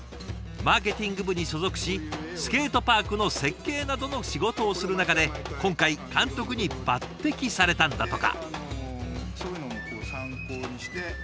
マーケティング部に所属しスケートパークの設計などの仕事をする中で今回監督に抜てきされたんだとか。